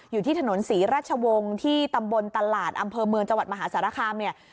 อยู่ที่ถนนศรีราชวงศ์ที่ตำบลตลาดอำเภอเมืองจังหวัดมหาสารคามเนี่ย